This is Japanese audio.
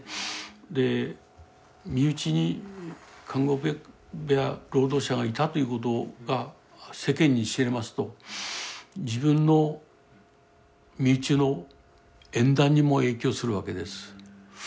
身内に監獄部屋労働者がいたということが世間に知れますと自分の身内の縁談にも影響するわけです。